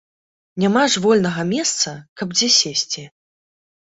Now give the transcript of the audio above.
Няма ж вольнага месца, каб дзе сесці.